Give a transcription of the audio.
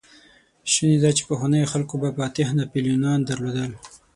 شونې ده، چې پخوانيو خلکو به فاتح ناپليونان درلودل.